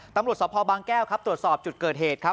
ตำรวจสภบางแก้วครับตรวจสอบจุดเกิดเหตุครับ